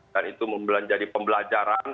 dan itu menjadi pembelajaran